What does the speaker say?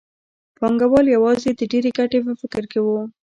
پانګوال یوازې د ډېرې ګټې په فکر کې وو